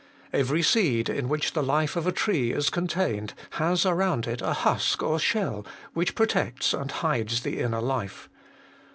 Every seed, in which the life of a tree is contained, has around it a husk or shell, which protects and hides the inner life.